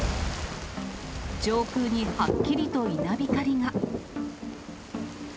上空にはっきりと稲光が。